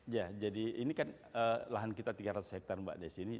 ya jadi ini kan lahan kita tiga ratus hektare mbak desi ini